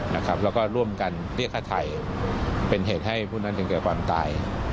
แล้วก็ร่วมกันเรียกฆ่าไทยเป็นเหตุให้ผู้นั้นถึงแก่ความตาย